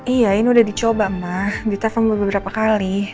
iya ini udah dicoba ma ditefong beberapa kali